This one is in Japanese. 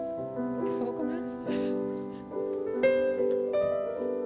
すごくない？